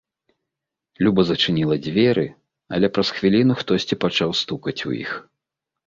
Люба зачыніла дзверы, але праз хвіліну хтосьці пачаў стукаць у іх.